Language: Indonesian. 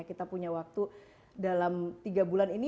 kita punya waktu dalam tiga bulan ini